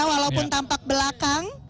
walaupun tampak belakang